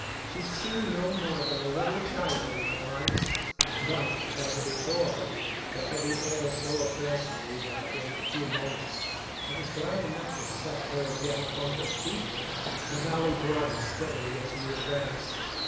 She seemed no more than a little child in my arms; but, as before, the heavy air so oppressed me that in a few moments I was glad enough to set her again upon her feet. The valley broadened steadily as we advanced.